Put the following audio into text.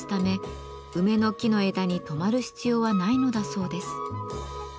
梅の木の枝にとまる必要はないのだそうです。